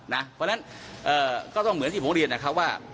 เพราะฉะนั้นก็ต้องเหมือนที่ผมเรียนนะครับว่า